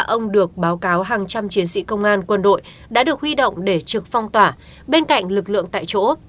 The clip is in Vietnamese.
các ông được báo cáo hàng trăm chiến sĩ công an quân đội đã được huy động để trực phong tỏa bên cạnh lực lượng tại chỗ